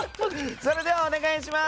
それではお願いします。